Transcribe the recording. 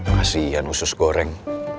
kasian usus goreng